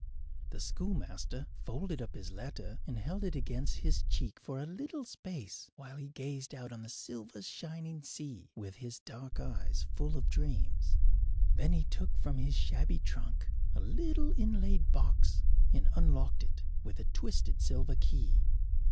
The schoolmaster folded up his letter and held it against his cheek for a little space while he gazed out on the silver shining sea with his dark eyes full of dreams. Then he took from his shabby trunk a little inlaid box and unlocked it with a twisted silver key.